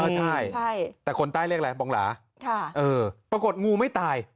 ใช่แต่คนใต้เรียกอะไรบองหลาปรากฏงูไม่ตาย